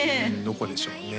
どこでしょうね